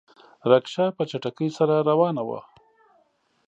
رکشه په چټکۍ سره روانه وه.